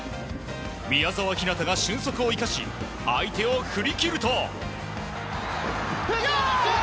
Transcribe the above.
宮澤ひなたが俊足を生かし相手を振り切ると。